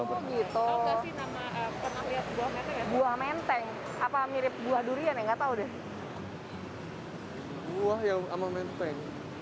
oke buah yang sama menteng